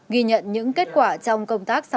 ghi nhận những kết quả trong công tác